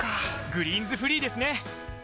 「グリーンズフリー」ですね！